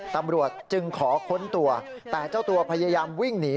ตำรวจจึงขอค้นตัวแต่เจ้าตัวพยายามวิ่งหนี